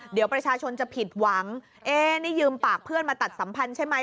เดี๋ยวประชาชนจะผิดหวังเอ๊นี่ยืมปากเพื่อนมาตัดสัมพันธ์ใช่ไหม